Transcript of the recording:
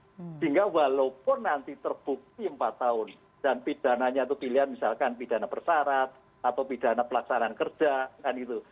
sehingga walaupun nanti terbukti empat tahun dan pidananya itu pilihan misalkan pidana persarat atau pidana pelaksanaan kerja kan gitu